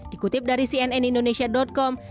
dikutip dari cnnindonesia com